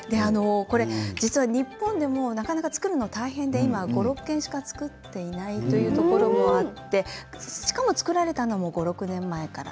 日本でもなかなか作るのが大変で５、６軒しか作っていないというところもあってしかも作られたのが５、６年前から。